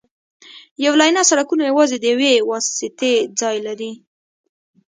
یو لینه سړکونه یوازې د یوې واسطې ځای لري